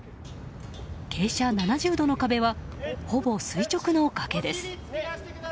傾斜７０度の壁はほぼ垂直の崖です。